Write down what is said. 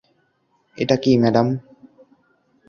এটা কি ম্যাডাম?